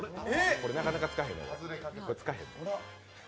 これ、なかなかつかへんの。